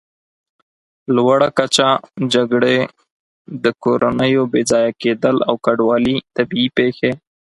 لوړه کچه، جګړې، د کورنیو بېځایه کېدل او کډوالي، طبیعي پېښې